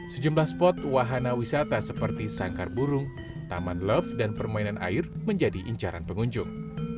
sejumlah spot wahana wisata seperti sangkar burung taman love dan permainan air menjadi incaran pengunjung